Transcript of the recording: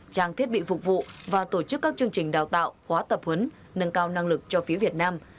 trang thiết bị phục vụ và tổ chức các chương trình đào tạo khóa tập huấn nâng cao năng lực cho phía việt nam